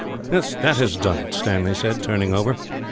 "That has done it," Stanley said, turning over.